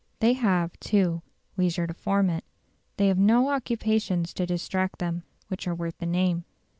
They have, too, leisure to form it. They have no occupations to distract them which are worth the name.